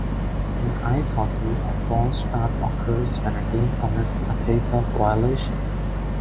In ice hockey, a false start occurs when a team commits a faceoff violation.